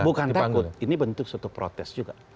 bukan takut ini bentuk suatu protes juga